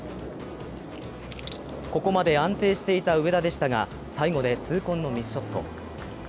ここまで安定していた上田でしたが最後で痛恨のミスショット。